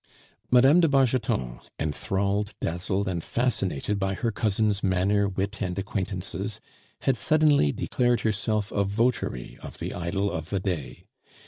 Mme. de Bargeton, enthralled, dazzled, and fascinated by her cousin's manner, wit, and acquaintances, had suddenly declared herself a votary of the idol of the day.